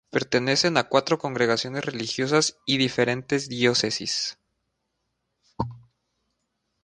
Pertenecen a cuatro congregaciones religiosas y diferentes diócesis.